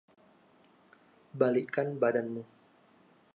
Balikkan badanmu.